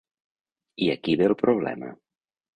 I aquí ve el problema.